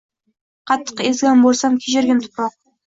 Qattiq ezgan bo’lsam kechirgin tuproq